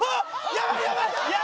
やばいやばい！